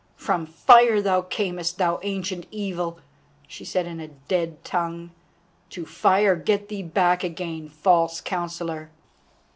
"From fire thou camest, thou Ancient Evil," she said in a dead tongue; "to fire get thee back again, false counsellor."